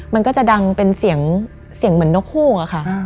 มันก็จะดังเป็นเสียงเหมือนนกฮูกอะค่ะ